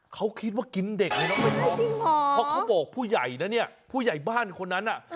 เขาคิดว่ากินเด็กเลยน้องใบตองเพราะเขาบอกผู้ใหญ่นะเนี่ยผู้ใหญ่บ้านคนนั้นน่ะ